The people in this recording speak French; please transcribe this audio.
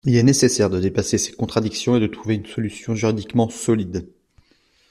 Il est nécessaire de dépasser ces contradictions et de trouver une solution juridiquement solide.